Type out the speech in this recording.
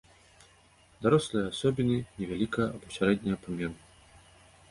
Дарослыя асобіны невялікага або сярэдняга памеру.